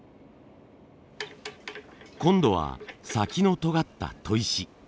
今度は先のとがった砥石。